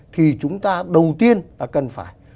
thì chúng ta đầu tiên là cần phải